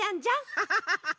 ハハハハハ！